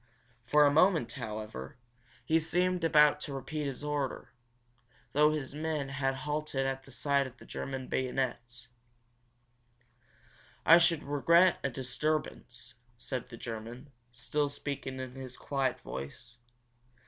For a moment, however, he seemed about to repeat his order, though his men had halted at the sight of German bayonets. "I should regret a disturbance," said the German, still speaking in his quiet voice.